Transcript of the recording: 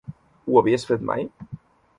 Ho havies fet mai?